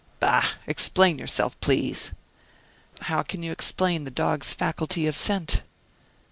"Bah! explain yourself, please." "How can you explain the dog's faculty of scent?"